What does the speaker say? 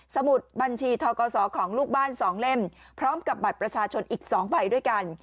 สมุดบัญชีทกศของลูกบ้าน๒เล่มพร้อมกับบัตรประชาชนอีก๒ใบด้วยกัน